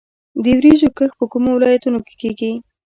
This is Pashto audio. د وریجو کښت په کومو ولایتونو کې کیږي؟